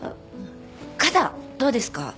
肩どうですか？